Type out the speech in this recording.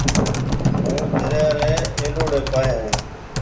هُون دريا ريَ اَلوڙَي پاهيَ هون۔